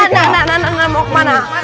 nggak nggak mau kemana